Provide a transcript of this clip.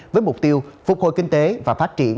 với mục tiêu phục hồi kinh tế và phát triển